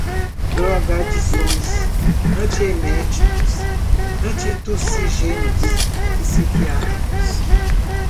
drogadições, antieméticos, antitussígenos, psiquiátricos